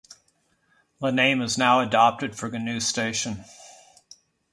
This name was now adopted for the new station.